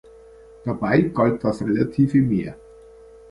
Dabei galt das relative Mehr.